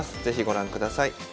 是非ご覧ください。